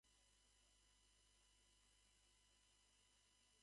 もうすぐクリスマスですよ。プレゼントの準備はできていますか。